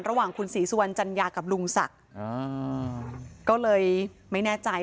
ระหว่างคุณศรีสุวรรณจัญญากับลุงศักดิ์ก็เลยไม่แน่ใจ